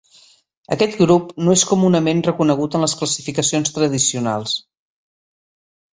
Aquest grup no és comunament reconegut en les classificacions tradicionals.